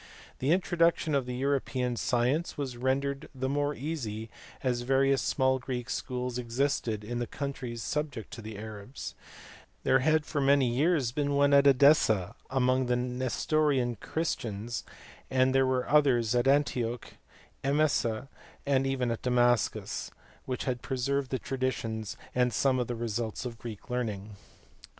The introduction of European science was rendered the more easy as various small Greek schools existed in the countries subject to the Arabs : there had for many years been one at Edessa among the Nestorian Christians, and there were others at Antioch, Emesa, and even at Damascus which had preserved the traditions and some of the results of Greek learning.